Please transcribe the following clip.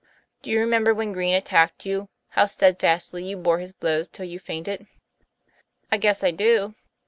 Do you remember when Green attacked you, how steadfastly you bore his blows till you fainted?" "I guess I do."